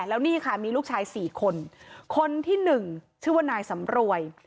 แล้วนี่ค่ะมีลูกชายสี่คนคนที่หนึ่งชื่อว่านายสำรวย